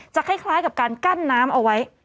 คล้ายกับการกั้นน้ำเอาไว้